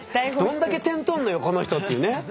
どんだけ点取んのよこの人っていうね。